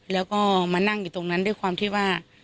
แล้วก็มานั่งอยู่ตรงนั้นด้วยความที่ว่า